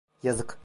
Yazık.